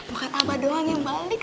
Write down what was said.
maka tambah doanya balik